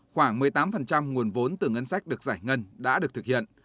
khoảng một mươi tám nguồn vốn từ ngân sách được giải ngân đã được thực hiện